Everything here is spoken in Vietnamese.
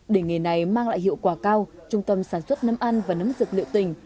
để nghề này mang lại hiệu quả cao trung tâm sản xuất nấm ăn và nấm dược liệu tỉnh